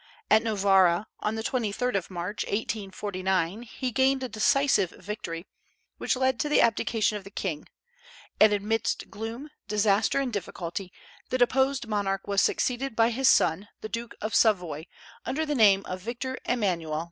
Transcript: At Novara, on the 23d of March, 1849, he gained a decisive victory, which led to the abdication of the king; and amidst gloom, disaster, and difficulty, the deposed monarch was succeeded by his son, the Duke of Savoy, under the name of Victor Emmanuel II.